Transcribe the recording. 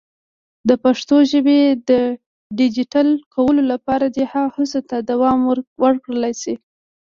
د پښتو ژبې د ډیجیټل کولو لپاره دې هڅو ته دوام ورکړل شي.